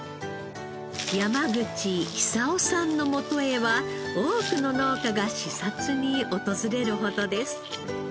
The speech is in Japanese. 山口比佐男さんのもとへは多くの農家が視察に訪れるほどです。